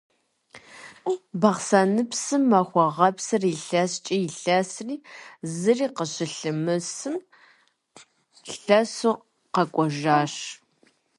Бахъсэныпсым Махуэгъэпсыр илъэскӏэ илъэсри, зыри къыщылъымысым, лъэсу къэкӏуэжащ.